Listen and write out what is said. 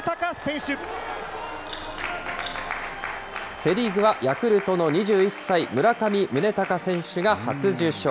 セ・リーグはヤクルトの２１歳、村上宗隆選手が初受賞。